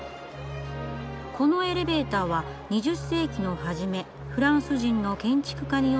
このエレベーターは「２０世紀の初めフランス人の建築家によって造られた。